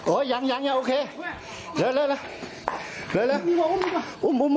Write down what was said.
โอ้ยยังยังอย่างแบบนี้โอเคเหลือ